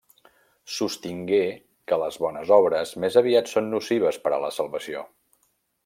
Sostingué que les bones obres més aviat són nocives per a la salvació.